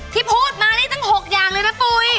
ที่พูดมานี่ตั้ง๖อย่างเลยนะปุ๋ย